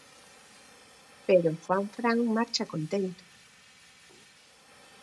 Pero Juanfran marcha contento.